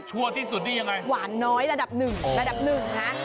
ชั่วที่สุดนี่ยังไงหวานน้อยระดับ๑ระดับ๑นะ